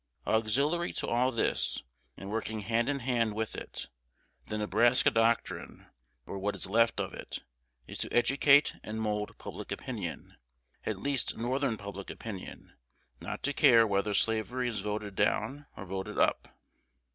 Auxiliary to all this, and working hand in hand with it, the Nebraska doctrine, or what is left of it, is to educate and mould public opinion, at least Northern public opinion, not to care whether slavery is voted down or voted up.